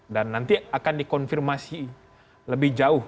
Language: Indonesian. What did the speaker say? dan nanti akan dikonfirmasi lebih jauh